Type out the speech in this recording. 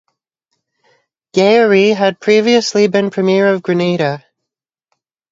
Gairy had previously been Premier of Grenada.